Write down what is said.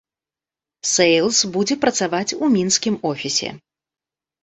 Сэйлз будзе працаваць у мінскім офісе.